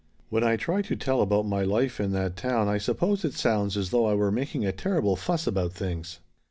"When I try to tell about my life in that town I suppose it sounds as though I were making a terrible fuss about things.